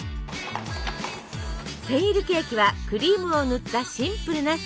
センイルケーキはクリームを塗ったシンプルなスポンジケーキ。